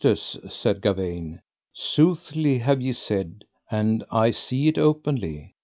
Certes, said Gawaine, soothly have ye said, that I see it openly.